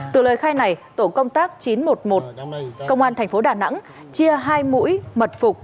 từ lời khai này tổ công tác chín trăm một mươi một công an thành phố đà nẵng chia hai mũi mật phục